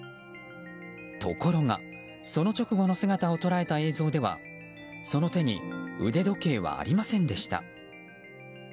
ところが、その直後の姿を捉えた映像ではその手に腕時計はありませんでした。